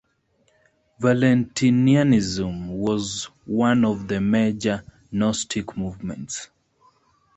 Valentinianism was one of the major Gnostic movements.